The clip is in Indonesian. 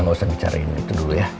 kita gak usah bicarain itu dulu ya